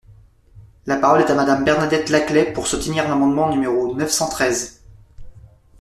La parole est à Madame Bernadette Laclais, pour soutenir l’amendement numéro neuf cent treize.